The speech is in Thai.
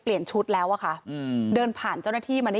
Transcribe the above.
ชุดแล้วอะค่ะอืมเดินผ่านเจ้าหน้าที่มาได้